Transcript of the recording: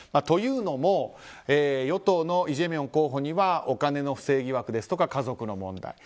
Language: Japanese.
というのも与党のイ・ジェミョン候補にはお金の不正疑惑ですとか家族の問題。